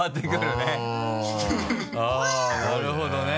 なるほどね。